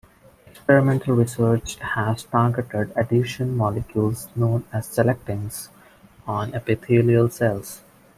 Experimental research has targeted adhesion molecules known as selectins on epithelial cells.